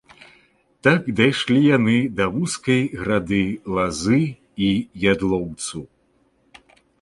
Так дайшлі яны да вузкай грады лазы і ядлоўцу.